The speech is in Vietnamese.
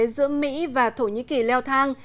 giữa mỹ và thổ nhĩ kỳ leo thang